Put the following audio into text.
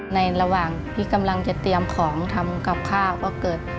ในระหว่างที่กำลังจะเตรียมของทำกับข้าวก็เกิด